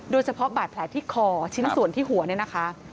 โดยเฉพาะบาดแผลที่คอชิ้นส่วนที่หัวเนี่ยนะคะ